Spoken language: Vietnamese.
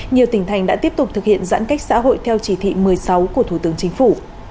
nhiều tỉnh thành đã tiếp tục thực hiện giãn cách xã hội theo chỉ thị một mươi sáu của thủ tướng chính phủ